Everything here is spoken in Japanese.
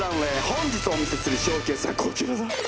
本日お見せするショーケースはこちらだ！